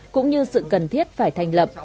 cũng như sự cần thiết phải thành lập